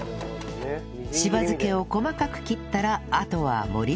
しば漬けを細かく切ったらあとは盛り付けるだけ